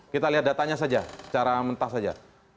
kita lihat datanya saja secara mentah saja